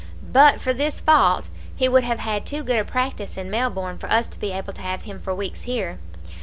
But for this fault he would have had too good a practice in Melbourne for us to be able to have him for weeks here.